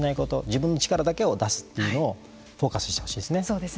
自分の力だけを出すというのをフォーカスしてほしいですね。